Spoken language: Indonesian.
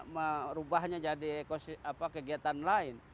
merubahnya jadi kegiatan lain